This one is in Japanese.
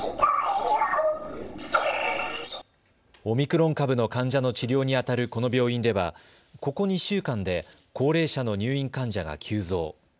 オミクロン株の患者の治療にあたるこの病院ではここ２週間で高齢者の入院患者が急増。